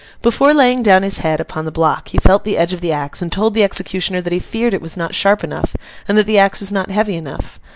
Before laying down his head upon the block he felt the edge of the axe, and told the executioner that he feared it was not sharp enough, and that the axe was not heavy enough.